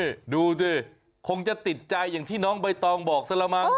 นี่ดูสิคงจะติดใจอย่างที่น้องใบตองบอกซะละมั้ง